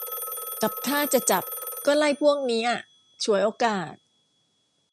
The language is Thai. กับถ้าจะจับก็ไล่พวกนี้อะ ฉวยโอกาส